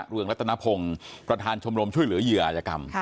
เรืองรัตนพงศ์ประธานชมรมช่วยเหลือเหยื่ออาจยกรรม